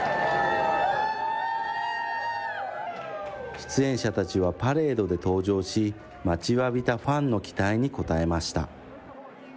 出演者たちはパレードで登場し、待ちわびたファンの期待に応えました。